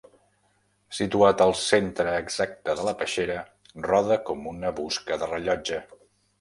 Situat al centre exacte de la peixera roda com una busca de rellotge.